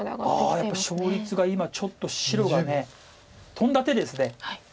やっぱり勝率が今ちょっと白がトンだ手ですね